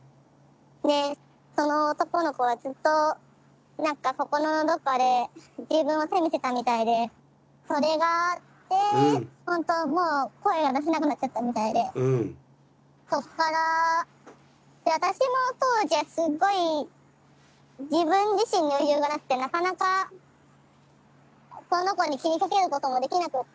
でその男の子はずっと何か心のどっかで自分を責めてたみたいでそれがあってほんともう声が出せなくなっちゃったみたいでそっからで私も当時はすっごい自分自身に余裕がなくてなかなかその子に気にかけることもできなくって。